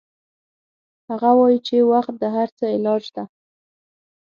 هغه وایي چې وخت د هر څه علاج ده